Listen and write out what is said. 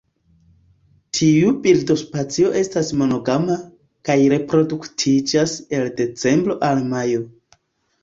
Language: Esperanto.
Tiu birdospecio estas monogama, kaj reproduktiĝas el decembro al majo.